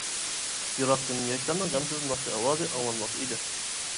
يىراقتىن ياشلارنىڭ غەمسىز ناخشا ئاۋازى ئاڭلانماقتا ئىدى.